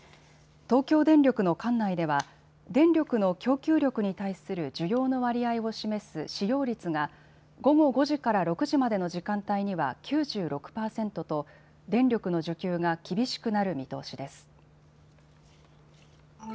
東京電力の管内では電力の供給力に対する需要の割合を示す使用率が午後５時から６時までの時間帯には９６％と電力の需給が厳しくなる見通しです。